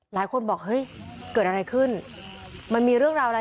หลายคนบอกเฮ้ยเกิดอะไรขึ้นมันมีเรื่องราวอะไร